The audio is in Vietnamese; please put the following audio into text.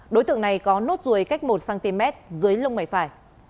đối tượng này có nốt ruồi cách một cm dưới lông mày phải